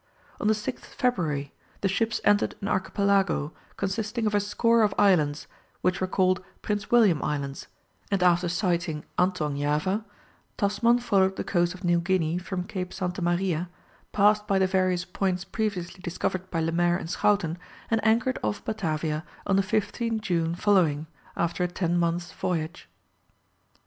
On the 6th February, the ships entered an archipelago, consisting of a score of islands, which were called Prince William Islands, and after sighting Anthong Java, Tasman followed the coast of New Guinea from Cape Santa Maria, passed by the various points previously discovered by Lemaire and Schouten, and anchored off Batavia on the 15th June following, after a ten months' voyage.